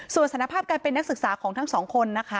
ส่วนสถานภาพการเป็นนักศึกษาของทั้งสองคนนะคะ